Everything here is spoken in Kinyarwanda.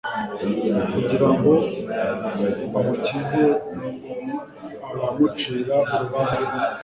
kugira ngo amukize abamucira urubanza